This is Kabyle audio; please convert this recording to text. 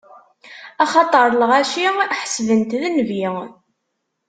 Axaṭer lɣaci ḥesben-t d nnbi.